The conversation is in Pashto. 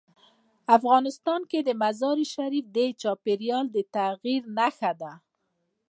افغانستان کې مزارشریف د چاپېریال د تغیر نښه ده.